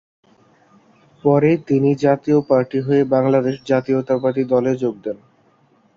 পরে তিনি জাতীয় পার্টি হয়ে বাংলাদেশ জাতীয়তাবাদী দলে যোগ দেন।